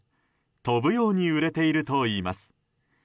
飛ぶように売れているといいます。